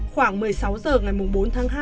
khoảng một mươi sáu h ngày bốn tháng hai